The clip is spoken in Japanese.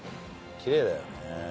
きれいだよね。